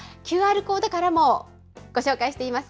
ＱＲコードからもご紹介しています。